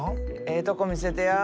ええとこ見せてや。